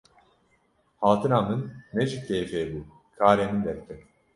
Hatina min ne ji kêfê bû, karê min derket.